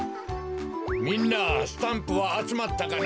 みんなスタンプはあつまったかな？